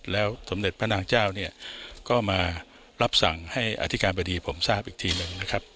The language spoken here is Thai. แล้วสมเด็จพระนางเจ้าเนี่ยก็มารับสั่งให้อธิการบดีผมทราบอีกทีหนึ่งนะครับ